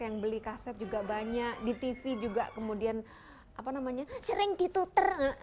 yang beli kaset juga banyak di tv juga kemudian apa namanya sering ketuter